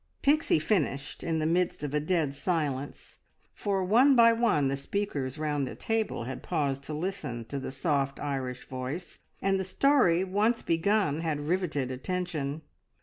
Pixie finished in the midst of a dead silence, for one by one the speakers round the table had paused to listen to the soft Irish voice, and the story once begun had riveted attention.